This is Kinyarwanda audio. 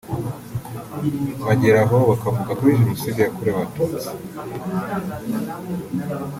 bageraho bakavuga kuri jenoside yakorewe abatutsi